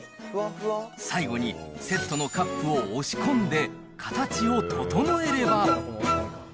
最後にセットのカップを押し込んで形を整えれば。